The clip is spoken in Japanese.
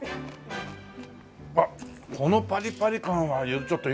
あっこのパリパリ感はちょっと許せないね。